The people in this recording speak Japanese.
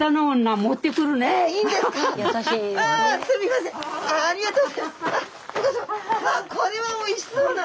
まあこれはおいしそうな！